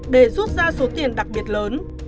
để rút ra số tiền đặc biệt lớn